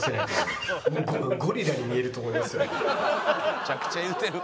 めちゃくちゃ言うてる。